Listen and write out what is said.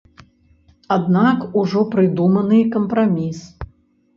Аднак ужо прыдуманы кампраміс.